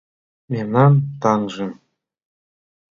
Мемнан таҥже